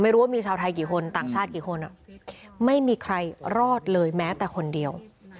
ว่ามีชาวไทยกี่คนต่างชาติกี่คนไม่มีใครรอดเลยแม้แต่คนเดียว